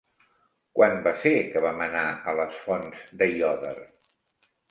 Quan va ser que vam anar a les Fonts d'Aiòder?